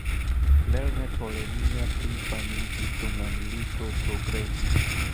Lernet-Holenia pli famiĝis dum la milito progresis.